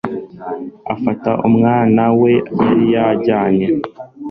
afata umwana we yari yanjyanye